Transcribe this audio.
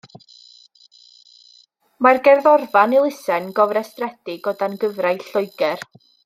Mae'r gerddorfa yn elusen gofrestredig o dan gyfraith Lloegr.